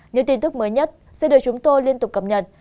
những tin tức mới nhất sẽ được chúng tôi liên tục cập nhật